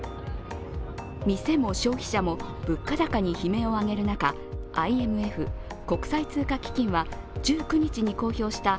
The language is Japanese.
店も消費者も物価高に悲鳴を上げる中、ＩＭＦ＝国際通貨基金は１９日に公表した